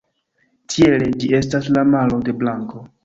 Tiele ĝi estas la malo de blanko.